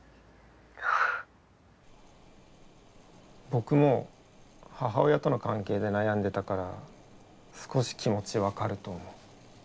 僕も母親との関係で悩んでたから少し気持ち分かると思う。